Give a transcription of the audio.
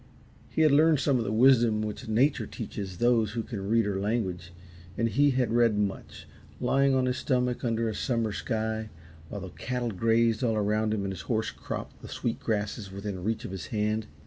He had learned some of the wisdom which nature teaches those who can read her language, and he had read much, lying on his stomach under a summer sky, while the cattle grazed all around him and his horse cropped the sweet grasses within reach of his hand.